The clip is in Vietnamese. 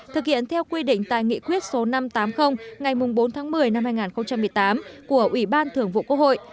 thực hiện theo quy định tại nghị quyết số năm trăm tám mươi ngày bốn tháng một mươi năm hai nghìn một mươi tám của ủy ban thường vụ quốc hội